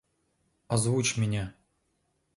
Озвучь меня.